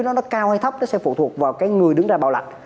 nó cao hay thấp nó sẽ phụ thuộc vào cái người đứng ra bảo lãnh